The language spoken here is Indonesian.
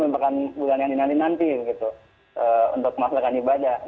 merupakan bulan yang dinanti nanti untuk melaksanakan ibadah